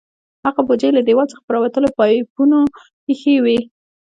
هغه بوجۍ یې له دیوال څخه پر راوتلو پایپونو ایښې وې.